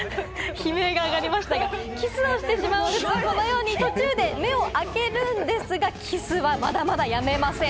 悲鳴が上がりましたが、キスをしてしまうと、このように目を開けるんですが、キスはまだまだやめません。